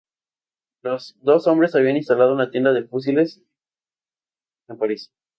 Los dos hombres habían instalado una tienda de fusiles en París.